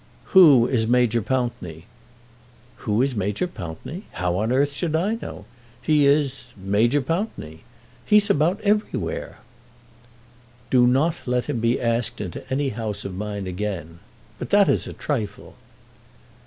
"Who is Major Pountney?" "Who is Major Pountney! How on earth should I know? He is Major Pountney. He is about everywhere." "Do not let him be asked into any house of mine again. But that is a trifle."